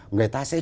người ta sẽ